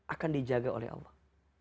akan dijaga oleh allah